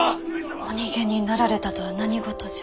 お逃げになられたとは何事じゃ。